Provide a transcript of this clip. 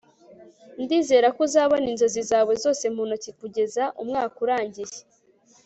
ndizera ko uzabona inzozi zawe zose mu ntoki kugeza umwaka urangiye